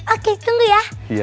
oke tunggu ya